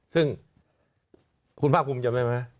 ซึ่งคุณภาคคุมจำได้มั้ยฮะ